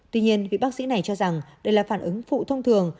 tuy nhiên vị bác sĩ này cho rằng đây là phản ứng phụ thông thường